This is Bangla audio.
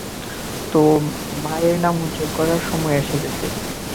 তো, মায়ের নাম উজ্জ্বল করার সময় এসে গেছে।